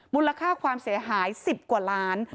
มูลค่าความเสียหาย๑๐กว่าล้าน